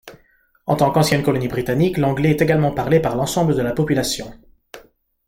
En tant qu'ancienne colonie britannique, l'anglais est également parlé par l'ensemble de la population.